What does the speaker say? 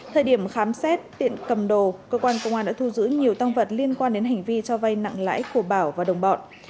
thời điểm khám xét tiệm cầm đồ cơ quan công an đã thu giữ nhiều tăng vật liên quan đến hành vi cho vay nặng lãi của bảo và đồng bọn